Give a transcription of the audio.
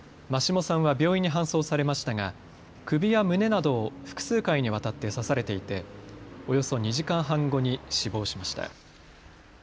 眞下さんは病院に搬送されましたが首や胸などを複数回にわたって刺されていて、およそ２時間半後に死亡しました。